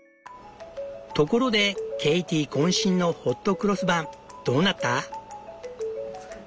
ところでケイティ渾身のホットクロスバンどうなった？